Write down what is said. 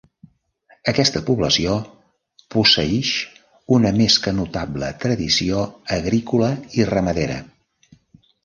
Aquesta població posseïx una més que notable tradició agrícola i ramadera.